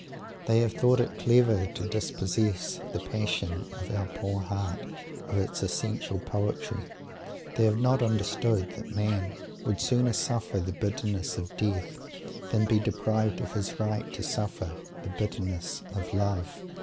They have thought it clever to dispossess the passion of our poor heart of its essential poetry. They have not understood that man would sooner suffer the bitterness of death than be deprived of his right to suffer the bitterness of love.